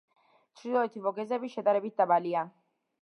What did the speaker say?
ჩრდილოეთი ვოგეზები შედარებით დაბალია.